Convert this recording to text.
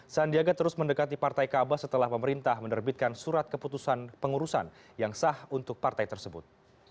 sandiaga terus mendekati partai kabah setelah pemerintah menerbitkan surat keputusan pengurusan yang sah untuk partai tersebut